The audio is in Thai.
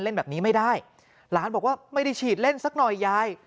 เล่นแบบนี้ไม่ได้หลานบอกว่าไม่ได้ฉีดเล่นสักหน่อยยาย